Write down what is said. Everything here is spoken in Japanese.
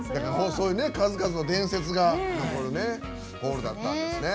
そういう数々の伝説が残るホールだったんですね。